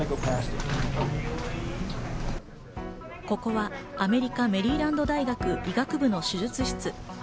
ここはアメリカ・メリーランド大学、医学部の手術室。